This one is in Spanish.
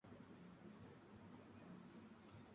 Su capital es Novosibirsk.